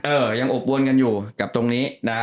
เออยังอบอวนกันอยู่กับตรงนี้นะฮะ